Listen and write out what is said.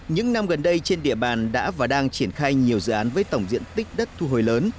những năm gần đây trên địa bàn đã và đang triển khai nhiều dự án với tổng diện tích đất thu hồi lớn